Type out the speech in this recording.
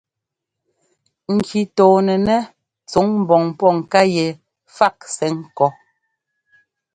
Ŋki tɔɔnɛnɛ́ tsuŋ ḿbɔŋ pɔ́ ŋká yɛ fák sɛ́ ŋkɔ́.